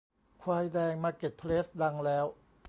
ควายแดงมาร์เก็ตเพลสดังแล้ว